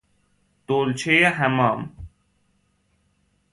دولچه حمام